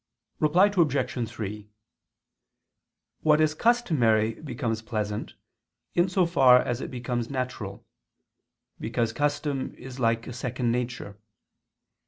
Reply Obj. 3: What is customary becomes pleasant, in so far as it becomes natural: because custom is like a second nature.